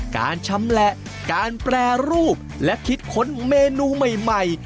การชำแหละการแปรรูปและคิดค้นเมนูใหม่